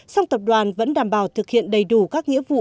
song tập đoàn vẫn đảm bảo thực hiện đầy đủ các nghĩa vụ